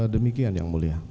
demikian yang mulia